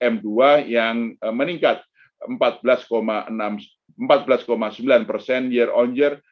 m dua yang meningkat empat belas sembilan persen year on year